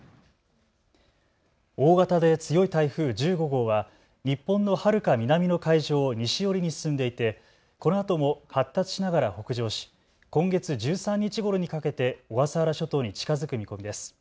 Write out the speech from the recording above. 大型で強い台風１５号は日本のはるか南の海上を西寄りに進んでいて、このあとも発達しながら北上し今月１３日ごろにかけて小笠原諸島に近づく見込みです。